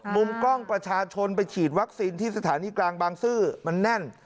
มุมกล้องประชาชนไปฉีดวัคซีนที่สถานีกลางบางซื่อมันแน่น